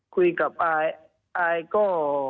คุยกับอายอายก็